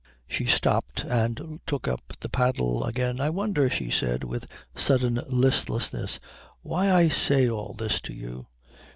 She stopped and took up the paddle again. "I wonder," she said, with sudden listlessness "why I say all this to you?"